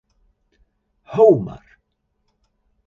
Ho mar.